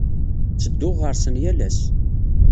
Ttedduɣ ɣer-sen yal ass.